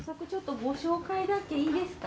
ご紹介だけいいですか？